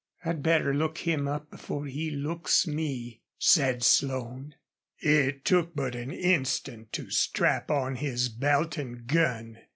"I'd better look him up before he looks me," said Slone. It took but an instant to strap on his belt and gun.